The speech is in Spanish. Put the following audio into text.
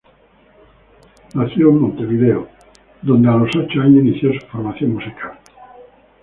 Nació en Montevideo, donde a los ocho años inició su formación musical.